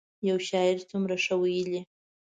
یو شاعر څومره ښه ویلي.